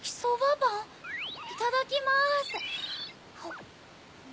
いただきます！